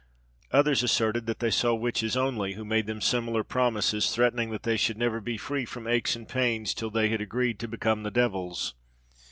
Others asserted that they saw witches only, who made them similar promises, threatening that they should never be free from aches and pains till they had agreed to become the devil's.